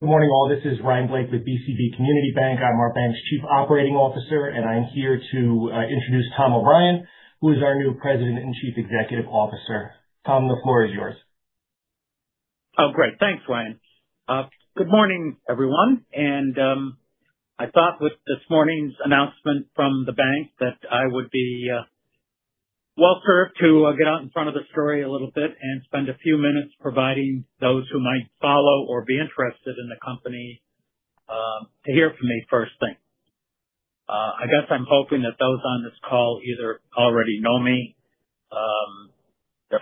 Good morning, all. This is Ryan Blake with BCB Community Bank. I'm our bank's Chief Operating Officer, and I'm here to introduce Thomas O'Brien, who is our new President and Chief Executive Officer. Tom, the floor is yours. Oh, great. Thanks, Ryan. Good morning, everyone. I thought with this morning's announcement from the bank that I would be well-served to get out in front of the story a little bit and spend a few minutes providing those who might follow or be interested in the company to hear from me first thing. I guess I'm hoping that those on this call either already know me, at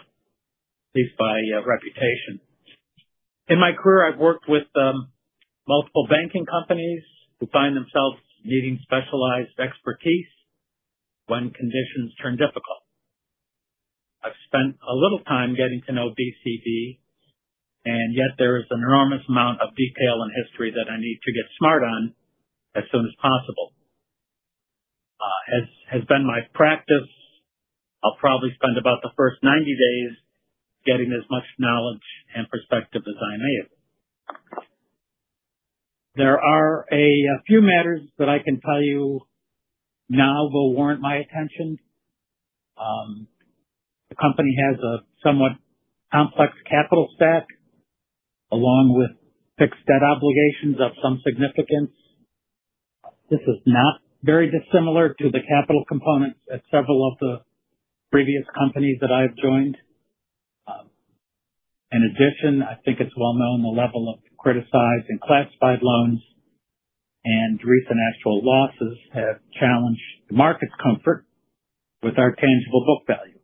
least by reputation. In my career, I've worked with multiple banking companies who find themselves needing specialized expertise when conditions turn difficult. I've spent a little time getting to know BCB, and yet there is an enormous amount of detail and history that I need to get smart on as soon as possible. As has been my practice, I'll probably spend about the first 90 days getting as much knowledge and perspective as I'm able. There are a few matters that I can tell you now will warrant my attention. The company has a somewhat complex capital stack, along with fixed debt obligations of some significance. This is not very dissimilar to the capital components at several of the previous companies that I've joined. In addition, I think it's well-known the level of criticized and classified loans and recent actual losses have challenged the market's comfort with our tangible book value.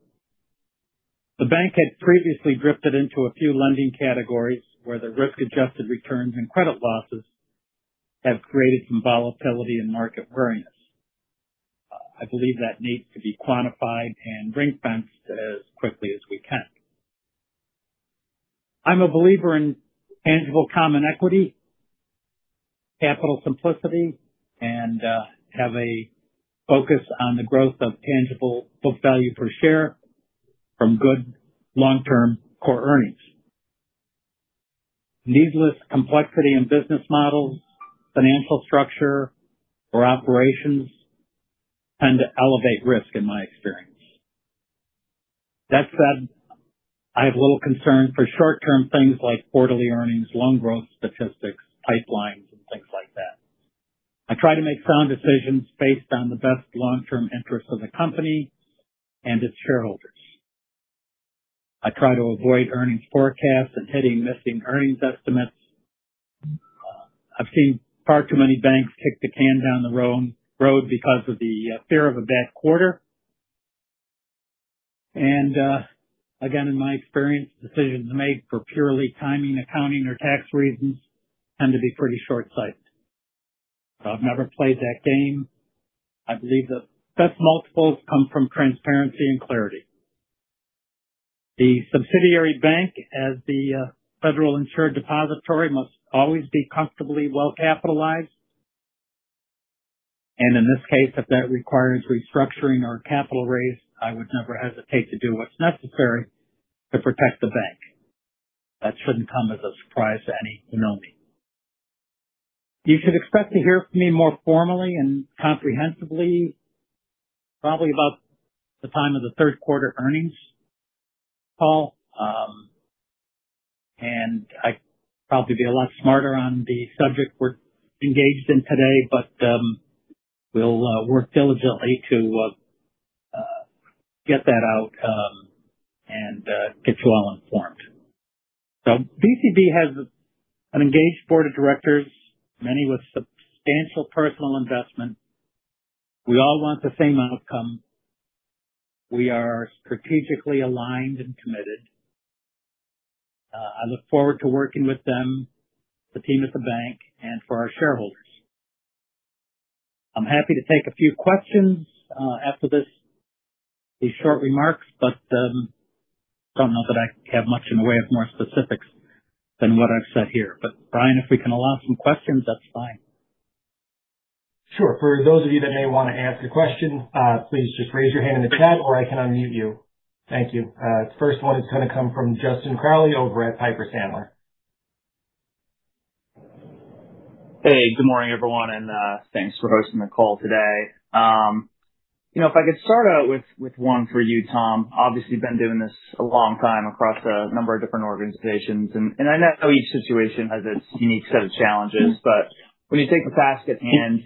The bank had previously drifted into a few lending categories where the risk-adjusted returns and credit losses have created some volatility and market wariness. I believe that needs to be quantified and ring-fenced as quickly as we can. I'm a believer in tangible common equity, capital simplicity, and have a focus on the growth of tangible book value per share from good long-term core earnings. Needless complexity in business models, financial structure, or operations tend to elevate risk in my experience. That said, I have little concern for short-term things like quarterly earnings, loan growth statistics, pipelines, and things like that. I try to make sound decisions based on the best long-term interest of the company and its shareholders. I try to avoid earnings forecasts and hitting missing earnings estimates. I've seen far too many banks kick the can down the road because of the fear of a bad quarter. Again, in my experience, decisions made for purely timing, accounting, or tax reasons tend to be pretty short-sighted. I've never played that game. I believe the best multiples come from transparency and clarity. The subsidiary bank as the federal-insured depository must always be comfortably well-capitalized. In this case, if that requires restructuring or a capital raise, I would never hesitate to do what's necessary to protect the bank. That shouldn't come as a surprise to any who know me. You should expect to hear from me more formally and comprehensively, probably about the time of the third quarter earnings call. I'd probably be a lot smarter on the subject we're engaged in today, but we'll work diligently to get that out and get you all informed. BCB has an engaged board of directors, many with substantial personal investment. We all want the same outcome. We are strategically aligned and committed. I look forward to working with them, the team at the bank, and for our shareholders. I'm happy to take a few questions after these short remarks, but don't know that I have much in the way of more specifics than what I've said here. Ryan, if we can allow some questions, that's fine. Sure. For those of you that may want to ask a question, please just raise your hand in the chat, or I can unmute you. Thank you. First one is going to come from Justin Crowley over at Piper Sandler. Hey, good morning, everyone, thanks for hosting the call today. If I could start out with one for you, Tom. Obviously, you've been doing this a long time across a number of different organizations, and I know each situation has its unique set of challenges, but when you take the task at hand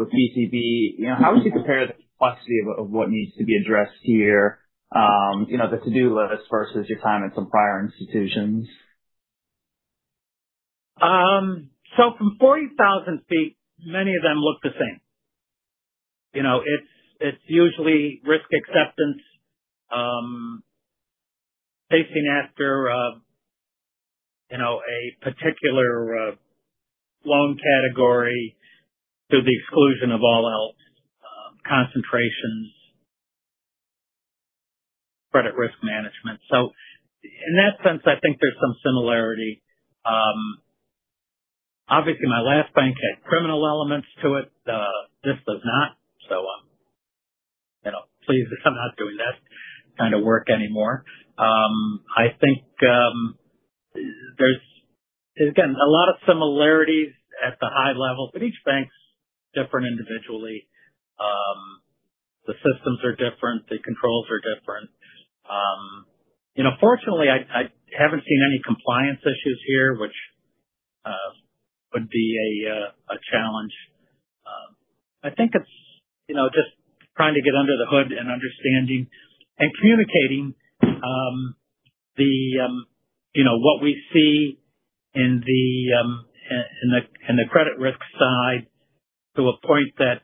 with BCB, how would you compare the complexity of what needs to be addressed here, the to-do list versus your time at some prior institutions? From 40,000 feet, many of them look the same. It's usually risk acceptance, chasing after a particular loan category to the exclusion of all else, concentrations, credit risk management. In that sense, I think there's some similarity. Obviously, my last bank had criminal elements to it. This does not. Please, because I'm not doing that kind of work anymore. I think there's, again, a lot of similarities at the high level, but each bank's different individually. The systems are different. The controls are different. Fortunately, I haven't seen any compliance issues here, which would be a challenge. I think it's just trying to get under the hood and understanding and communicating what we see in the credit risk side to a point that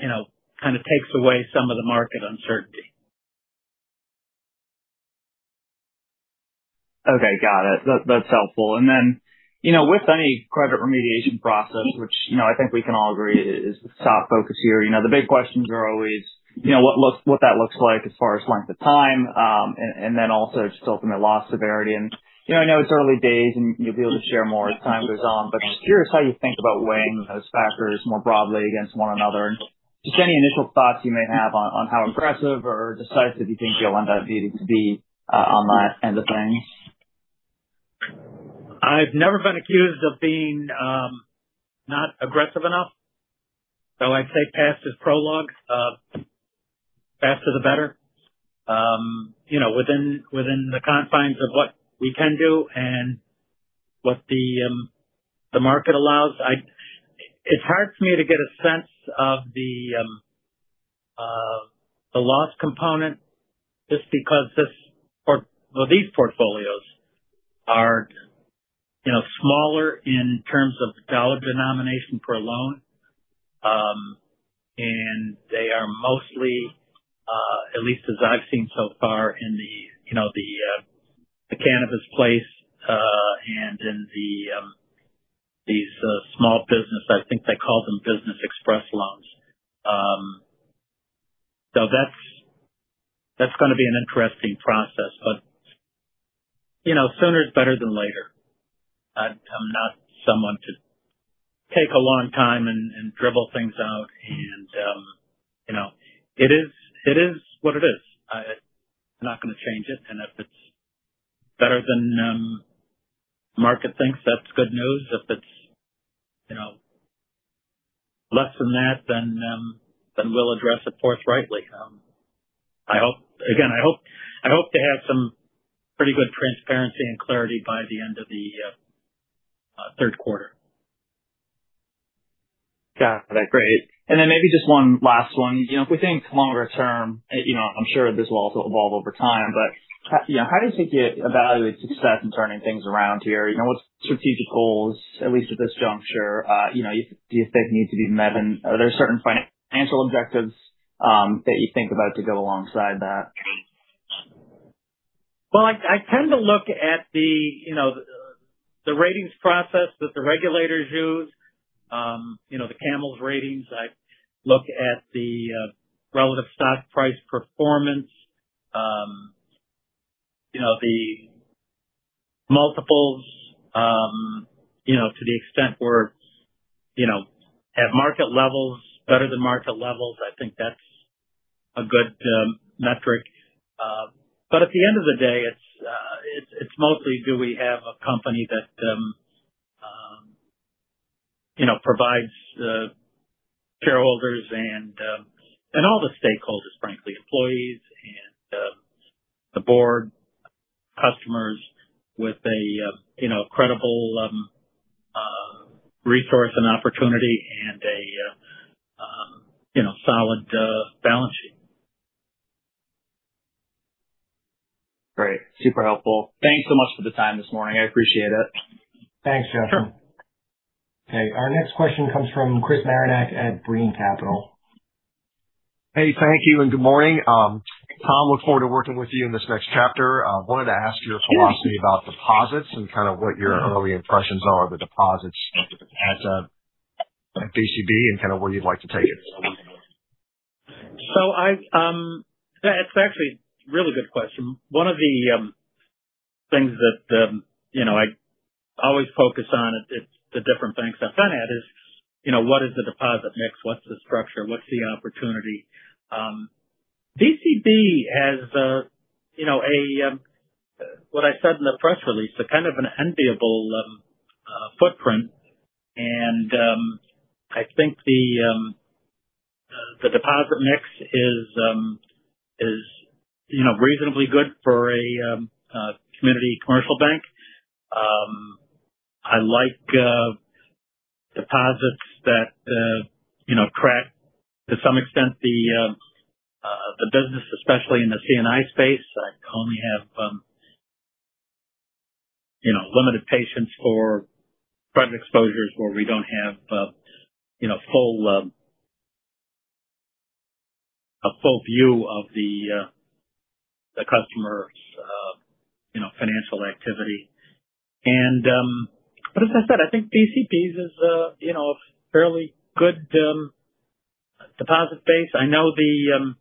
kind of takes away some of the market uncertainty. Okay. Got it. That's helpful. With any credit remediation process, which I think we can all agree is the top focus here, the big questions are always what that looks like as far as length of time, and then also just ultimate loss severity. I know it's early days, and you'll be able to share more as time goes on, but just curious how you think about weighing those factors more broadly against one another, and just any initial thoughts you may have on how aggressive or decisive you think GLENDALE will be on that end of things. I've never been accused of being not aggressive enough. I take past as prologue. The faster, the better. Within the confines of what we can do and what the market allows. It's hard for me to get a sense of the loss component just because these portfolios are smaller in terms of $ denomination per loan. They are mostly, at least as I've seen so far in the cannabis place, and in these small business, I think they call them Business Express loans. That's going to be an interesting process, but sooner is better than later. I'm not someone to take a long time and dribble things out, and it is what it is. I'm not going to change it, and if it's better than the market thinks, that's good news. If it's less than that, we'll address it forthrightly. Again, I hope to have some pretty good transparency and clarity by the end of the third quarter. Got it. Great. Maybe just one last one. If we think longer term, I'm sure this will also evolve over time, how does it get evaluate success in turning things around here? What strategic goals, at least at this juncture, do you think need to be met? Are there certain financial objectives that you think about to go alongside that? I tend to look at the ratings process that the regulators use, the CAMELS ratings. I look at the relative stock price performance, the multiples, to the extent we're at market levels, better than market levels, I think that's a good metric. At the end of the day, it's mostly do we have a company that provides shareholders and all the stakeholders, frankly, employees and the board, customers with a credible resource and opportunity and a solid balance sheet. Great. Super helpful. Thanks so much for the time this morning. I appreciate it. Thanks, Justin. Sure. Okay, our next question comes from Chris Marinac at Breen Capital. Hey, thank you, and good morning. Tom, look forward to working with you in this next chapter. I wanted to ask your philosophy about deposits and kind of what your early impressions are of the deposits at BCB and kind of where you'd like to take it. That's actually a really good question. One of the things that I always focus on at the different banks I've been at is what is the deposit mix, what's the structure, what's the opportunity? BCB has a, what I said in the press release, a kind of an enviable footprint, and I think the deposit mix is reasonably good for a community commercial bank. I like deposits that track to some extent the business, especially in the C&I space. I only have limited patience for credit exposures where we don't have a full view of the customer's financial activity. But as I said, I think BCB's is a fairly good deposit base. I know the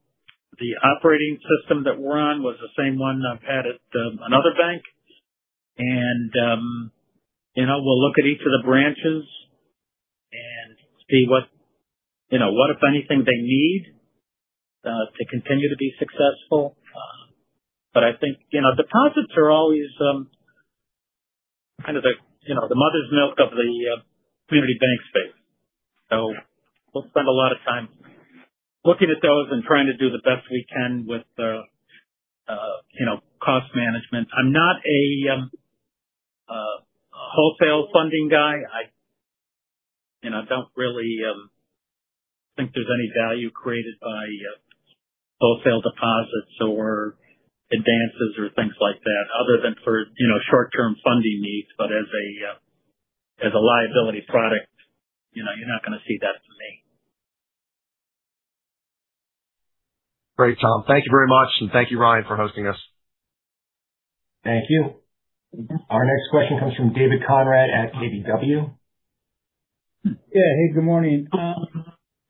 operating system that we're on was the same one I've had at another bank. We'll look at each of the branches. See what, if anything, they need to continue to be successful. I think deposits are always the mother's milk of the community bank space. We'll spend a lot of time looking at those and trying to do the best we can with cost management. I'm not a wholesale funding guy. I don't really think there's any value created by wholesale deposits or advances or things like that other than for short-term funding needs. As a liability product, you're not going to see that from me. Great, Tom. Thank you very much, and thank you, Ryan, for hosting us. Thank you. Our next question comes from David Konrad at KBW. Yeah. Hey, good morning.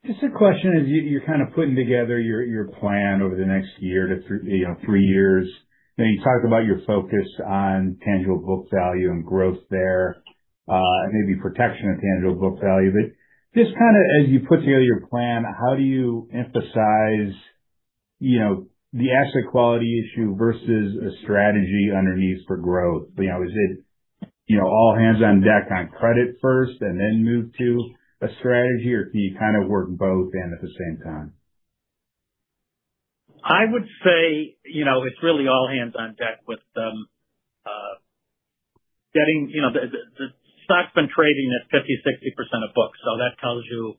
Just a question, as you're kind of putting together your plan over the next year to three years, and you talk about your focus on tangible book value and growth there, maybe protection of tangible book value, but just kind of as you put together your plan, how do you emphasize the asset quality issue versus a strategy underneath for growth? Is it all hands on deck on credit first and then move to a strategy, or can you kind of work both in at the same time? I would say it's really all hands on deck. The stock's been trading at 50%, 60% of books. That tells you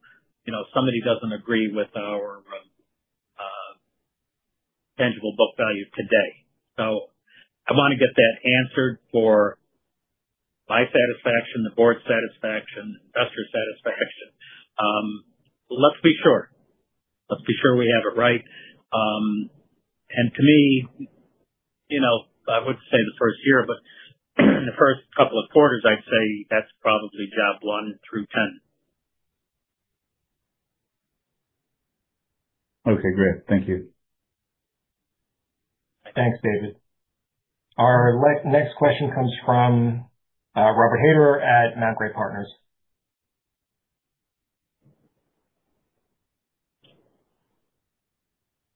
somebody doesn't agree with our tangible book value today. I want to get that answered for my satisfaction, the board's satisfaction, investor satisfaction. Let's be sure we have it right. To me, I wouldn't say the first year, but in the first couple of quarters, I'd say that's probably job one through 10. Okay, great. Thank you. Thanks, David. Our next question comes from Robert Haber at Mount Grey Partners.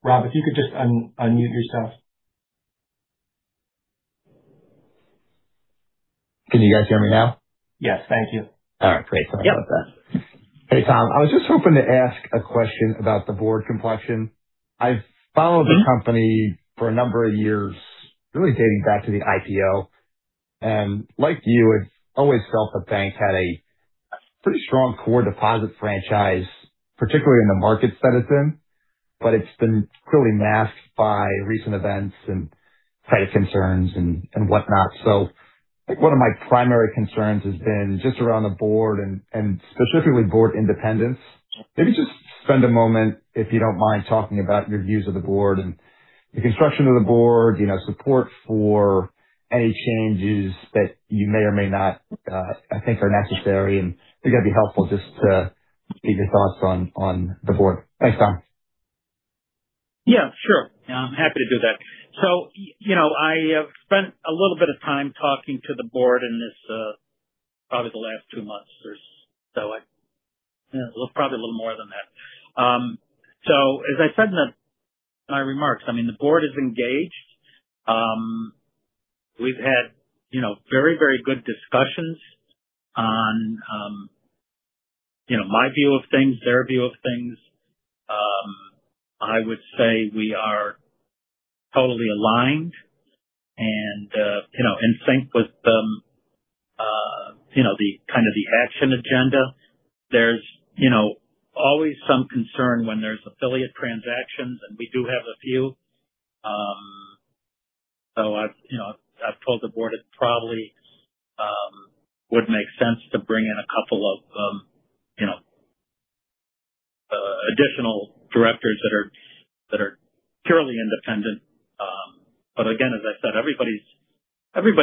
Rob, if you could just unmute yourself. Can you guys hear me now? Yes. Thank you. All right, great. No problem. Hey, Tom. I was just hoping to ask a question about the board complexion. I've followed the company for a number of years, really dating back to the IPO, and like you, I've always felt the bank had a pretty strong core deposit franchise, particularly in the markets that it's in. It's been clearly masked by recent events and credit concerns and whatnot. I think one of my primary concerns has been just around the board and specifically board independence. Maybe just spend a moment, if you don't mind, talking about your views of the board and the construction of the board, support for any changes that you may or may not think are necessary, and I think that'd be helpful just to get your thoughts on the board. Thanks, Tom. Yeah, sure. I'm happy to do that. I spent a little bit of time talking to the board in probably the last two months or so. Probably a little more than that. As I said in my remarks, the board is engaged. We've had very good discussions on my view of things, their view of things. I would say we are totally aligned and in sync with the action agenda. There's always some concern when there's affiliate transactions, and we do have a few. I've told the board it probably would make sense to bring in a couple of additional directors that are purely independent. Again, as I said, everybody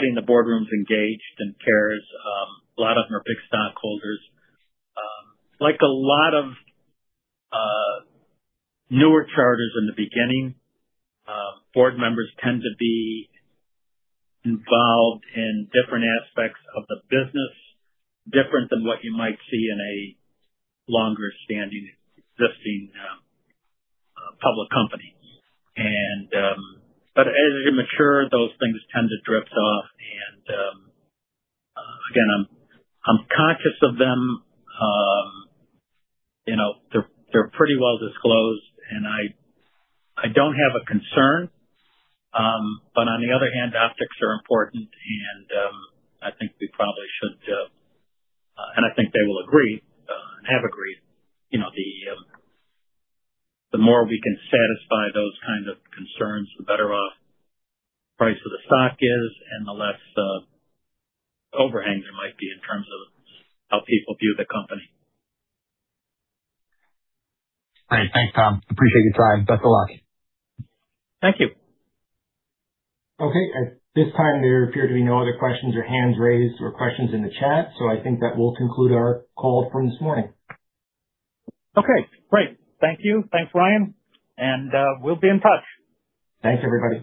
in the boardroom is engaged and cares. A lot of them are big stockholders. Like a lot of newer charters in the beginning, board members tend to be involved in different aspects of the business, different than what you might see in a longer-standing, existing public company. As you mature, those things tend to drift off, and again, I'm conscious of them. They're pretty well disclosed, and I don't have a concern. On the other hand, optics are important, and I think we probably should, and I think they will agree and have agreed, the more we can satisfy those kinds of concerns, the better off price of the stock is and the less overhang there might be in terms of how people view the company. All right. Thanks, Tom. Appreciate your time. Best of luck. Thank you. Okay. At this time, there appear to be no other questions or hands raised or questions in the chat. I think that will conclude our call from this morning. Okay, great. Thank you. Thanks, Ryan. We'll be in touch. Thanks, everybody.